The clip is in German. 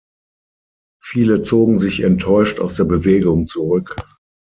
Viele zogen sich enttäuscht aus der Bewegung zurück.